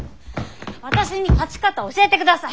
私に勝ち方を教えてください！